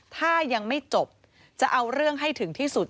ถ้ายังไม่จบจะเอาเรื่องให้ถึงที่สุด